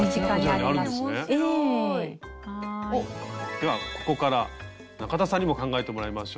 ではここから中田さんにも考えてもらいましょう。